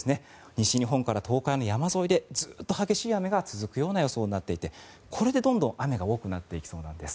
西日本から東海の山沿いでずっと激しい雨が続く予想になっていてこれでどんどん雨が多くなっていきそうなんです。